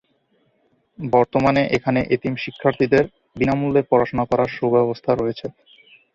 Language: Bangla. বর্তমানে এখানে এতিম শিক্ষার্থীদের বিনামূল্যে পড়াশোনা করার সু-ব্যবস্থা রয়েছে।